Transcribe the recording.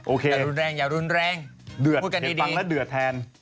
โอเคอย่ารุนแรงอย่ารุนแรงพูดกันดีเดือดเห็นฟังแล้วเดือดแทน